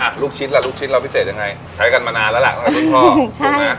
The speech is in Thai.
อ่ะลูกชิ้นล่ะลูกชิ้นเราพิเศษยังไงใช้กันมานานแล้วล่ะใช่ค่ะ